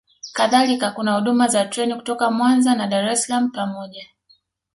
kadhalika kuna huduma za treni kutoka Mwanza na Dar es Salaam pamoja